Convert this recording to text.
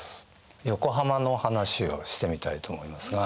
横浜の話をしてみたいと思いますが。